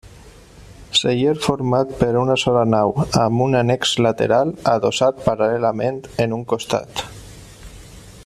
Celler format per una sola nau, amb un annex lateral adossat paral·lelament en un costat.